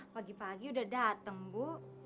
pagi pagi udah datang bu